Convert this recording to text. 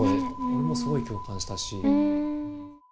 俺もすごい共感したし。